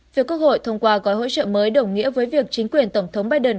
việc quốc hội thông qua gói hỗ trợ mới đồng nghĩa với việc chính quyền tổng thống biden